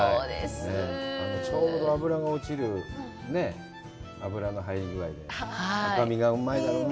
ちょうど脂が落ちる、脂の入り具合で赤身がうまいだろうな。